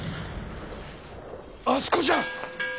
あそこじゃ！